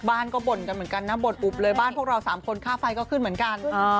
ก็บ้านที่บ้านก็บ่นตกแล้วบ้านพวกเรา๓คนค่าไฟก็ขึ้นเหมือนกัน